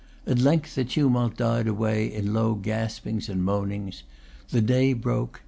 At length the tumult died away in low gaspings and moanings. The day broke.